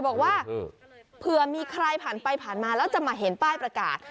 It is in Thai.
บอกว่าเผื่อมีใครผ่านไปผ่านมาแล้วจะมาเห็นป้ายประกาศ